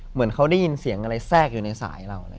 เหมือนเขาได้ยินเสียงอะไรแทรกอยู่ในสายเราเลย